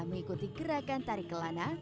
mengikuti gerakan tari kelana